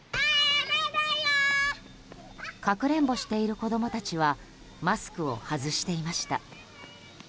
かくれんぼしている子供たちはマスクを外していました。